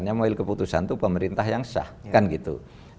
yang mengambil keputusan itu pemerintah yang sah kan gitu